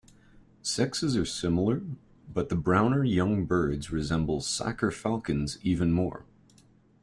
Sexes are similar, but the browner young birds resemble saker falcons even more.